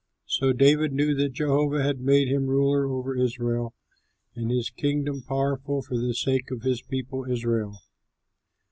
So David knew that Jehovah had made him ruler over Israel and his kingdom powerful for the sake of his people Israel.